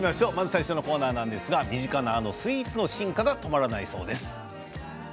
最初のコーナーは身近なあのスイーツの進化が止まらないそうです。